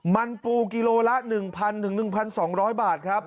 มันปูกิโลละ๑๐๐๑๒๐๐บาทครับ